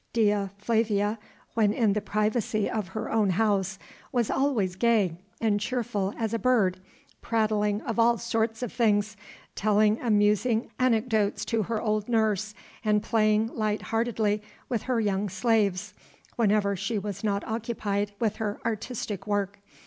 Dea Flavia, when in the privacy of her own house, was always gay and cheerful as a bird, prattling of all sorts of things, telling amusing anecdotes to her old nurse and playing light heartedly with her young slaves, whenever she was not occupied with her artistic work.